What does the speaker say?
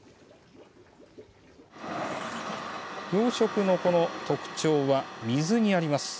養殖の特徴は水にあります。